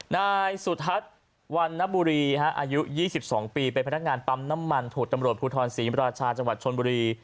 นายสุทัศน์วันนบุรีอายุ๒๒ปีเป็นพนักงานปั๊มน้ำมันถูกตำรวจภูทรศรีมราชาจังหวัดชนบุรี